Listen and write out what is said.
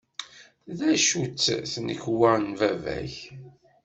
D acu-tt tnekwa n baba-k?